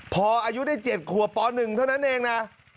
พออายุได้๗ขวบป๑เท่านั้นเองนะ